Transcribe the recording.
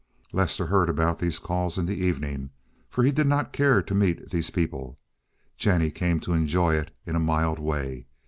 Lester heard about these calls in the evening, for he did not care to meet these people. Jennie came to enjoy it in a mild way.